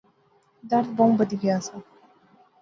درد بہوں بدھی گیا سا